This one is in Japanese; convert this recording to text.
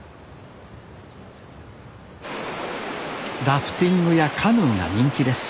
ラフティングやカヌーが人気です